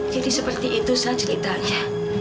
jadi seperti itu saja kita ya